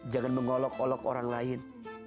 jangan mengolok olok orang lain